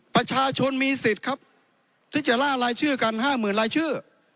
ประชาชนมีสิทธิ์ครับที่จะล่ารายชื่อกัน๕๐๐๐รายชื่อ